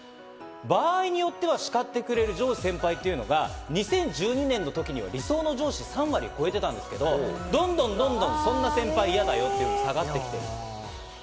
場合によっては叱ってくれる上司・先輩というのが２０１２年のときには、理想の上司３割を超えていたんですが、どんどんそんな先輩、嫌だよということで下がってきている。